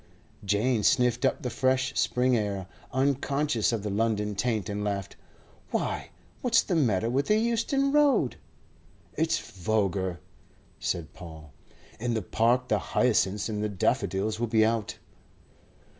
Jane sniffed up the fresh spring air, unconscious of the London taint, and laughed. "Why, what's the matter with the Euston Road?" "It's vulgar," said Paul. "In the Park the hyacinths and the daffodils will be out."